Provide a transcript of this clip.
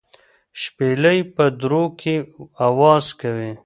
شپېلۍ په درو کې اواز کوي.